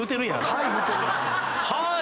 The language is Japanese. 「はい」